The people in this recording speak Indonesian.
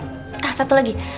nah satu lagi